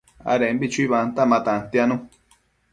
adembi chuibanta ma tantianu